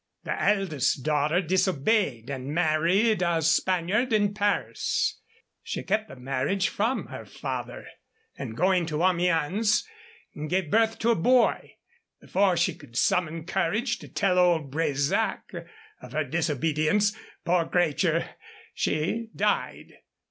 The eldest daughter disobeyed and married a Spaniard in Paris. She kept the marriage from her father, and, going to Amiens, gave birth to a boy. Before she could summon courage to tell old Bresac of her disobedience, poor cratur, she died."